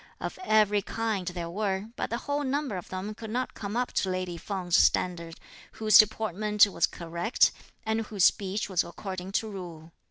Of every kind there were, but the whole number of them could not come up to lady Feng's standard, whose deportment was correct and whose speech was according to rule.